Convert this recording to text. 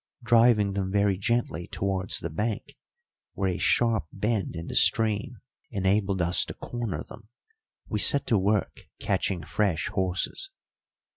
Driving them very gently towards the bank, where a sharp bend in the stream enabled us to corner them, we set to work catching fresh horses.